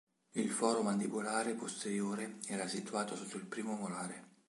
Il foro mandibolare posteriore era situato sotto il primo molare.